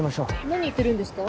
何言ってるんですか？